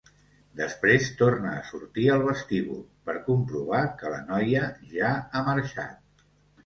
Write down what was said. Després torna a sortir al vestíbul, per comprovar que la noia ja ha marxat.